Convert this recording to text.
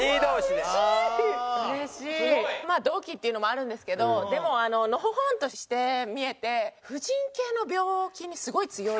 まあ同期っていうのもあるんですけどでもあののほほんとして見えて婦人系の病気にすごい強い。